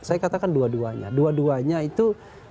saya katakan dua duanya dua duanya itu